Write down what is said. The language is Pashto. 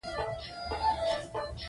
چې د مور زړګی دې راوړي زما لپاره.